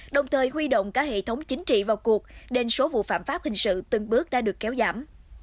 đồng thời huy động cả hệ thống chính trị vào cuộc nên số vụ phạm pháp hình sự từng bước đã được kéo giảm